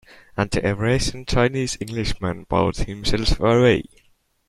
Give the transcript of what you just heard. And the Eurasian Chinese-Englishman bowed himself away.